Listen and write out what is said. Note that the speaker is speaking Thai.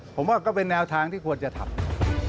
ผมว่าก็เป็นแนวทางที่ควรจะทำ